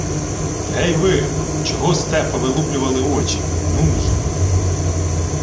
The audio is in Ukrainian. — Гей ви! Чого сте повилуплювали очі? Нум же!